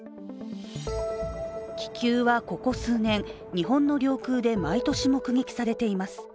気球はここ数年、日本の領空で毎年目撃されています。